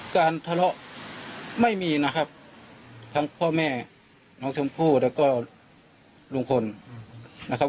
การทะเลาะไม่มีนะครับทั้งพ่อแม่น้องชมพู่แล้วก็ลุงพลนะครับ